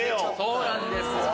そうなんですよ。